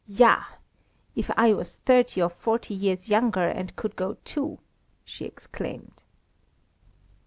"Ja! if I was thirty or forty years younger and could go too!" she exclaimed.